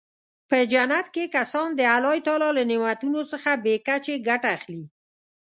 په جنت کې کسان د الله تعالی له نعمتونو څخه بې کچې ګټه اخلي.